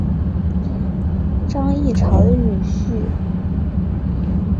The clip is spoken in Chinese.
张议潮的女婿索勋拥立张淮鼎为归义军节度使留后。